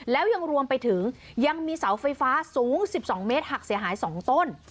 แล้วยังรวมไปถึงยังมีเสาไฟฟ้าสูง๑๒เมตรหักเสียหาย๒ต้น